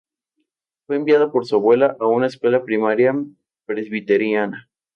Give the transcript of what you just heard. Fue enviada por su abuela a una escuela primaria presbiteriana.